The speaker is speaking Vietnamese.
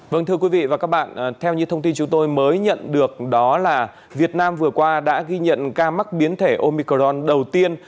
vâng thưa quý vị và các bạn theo như thông tin chúng tôi mới nhận được đó là việt nam vừa qua đã ghi nhận ca mắc biến thể omicron đầu tiên